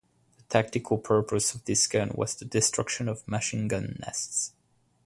The tactical purpose of this gun was the destruction of machine gun nests.